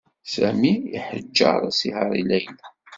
Sami iḥeǧǧeṛ asihaṛ i Layla.